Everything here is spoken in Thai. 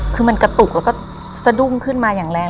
คือมันกระตุกแล้วก็สะดุ้งขึ้นมาอย่างแรง